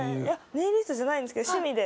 ネイリストじゃないんですけど趣味で。